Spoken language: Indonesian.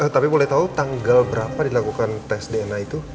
tapi boleh tahu tanggal berapa dilakukan tes dna itu